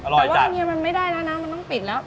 แต่ว่าเนี่ยมันไม่ได้แล้วนะมันต้องปิดแล้ว